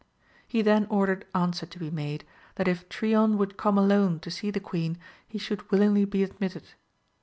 He then ordered an swer to be made, that if Trion would come alone to see the queen he should willingly be admitted.